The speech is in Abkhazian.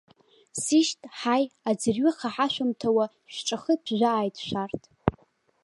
Сишьт, ҳаи, аӡырҩыха ҳашәымҭауа, шәҿахы ԥжәааит, шәарҭ.